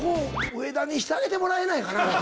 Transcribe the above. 上田にしてあげてもらえないかな？